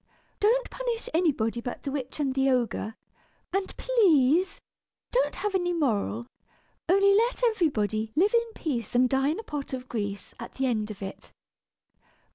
Don't punish anybody but the witch and the ogre; and please don't have any moral, only let everybody 'live in peace and die in a pot of grease,' at the end of it."